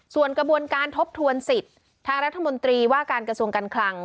ส่วนกระบวนการทบทวนสิทธิ์ทางรัฐมนตรีว่าการกระทรวงการคลัง